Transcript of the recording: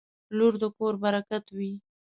• لور د کور برکت وي.